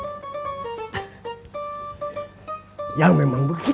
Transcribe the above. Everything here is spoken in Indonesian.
saya sudah berhasil memimpin mereka